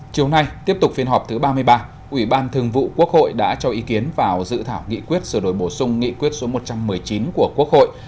chiều nay tiếp tục phiên họp thứ ba mươi ba ủy ban thường vụ quốc hội đã cho ý kiến vào dự thảo nghị quyết sửa đổi bổ sung nghị quyết số một trăm một mươi chín của quốc hội